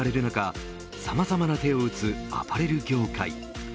中さまざまな手を打つアパレル業界。